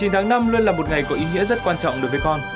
một mươi tháng năm luôn là một ngày có ý nghĩa rất quan trọng đối với con